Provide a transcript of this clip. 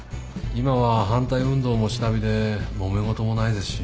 今は反対運動も下火でもめ事もないですし。